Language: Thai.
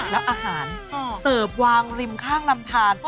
แล้วอาหารเสิร์ฟวางริมข้างลำทาน